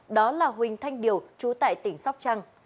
đó là huỳnh thanh điều chú tại tỉnh sóc trăng